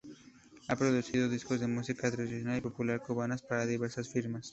Ha producido discos de música tradicional y popular cubanas para diversas firmas.